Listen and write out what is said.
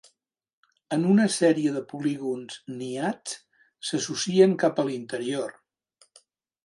En una sèrie de polígons niats, s'associen cap a l'interior.